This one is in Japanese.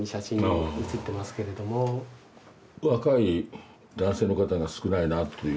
若い男性の方が少ないなという。